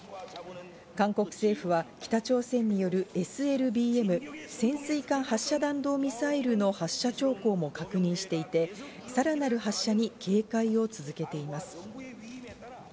韓国政府は北朝鮮によるＳＬＢＭ＝潜水艦発射弾道ミサイルの発射兆候も確認していて、さらなる発射に警戒を続けています。